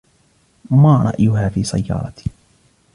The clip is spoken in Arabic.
ما رأيها في سيارتي؟